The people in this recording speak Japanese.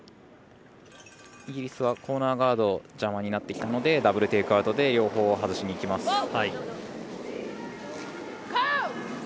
イギリスはコーナーガードが邪魔になってきたのでダブル・テイクアウトで両方を外しにいきます。